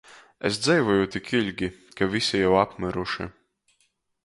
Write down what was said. Es dzeivoju tik iļgi, ka vysi jau apmyruši.